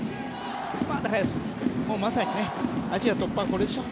まさにアジア突破はこれでしょ？